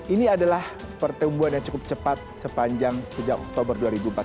ini adalah pertumbuhan yang cukup cepat sepanjang sejak oktober dua ribu empat belas